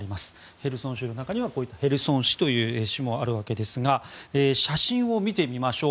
ヘルソン州の中にはヘルソン市という市もあるわけですが写真を見てみましょう。